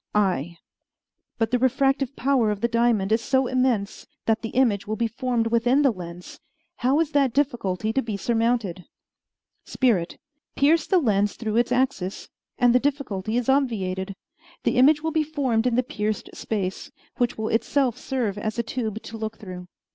I. But the refractive power of the diamond is so immense that the image will be formed within the lens. How is that difficulty to be surmounted? Spirit Pierce the lens through its axis, and the difficulty is obviated. The image will be formed in the pierced space, which will itself serve as a tube to look through.